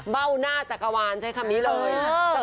เบ้าหน้าจักรวาลใช้คำนี้เลย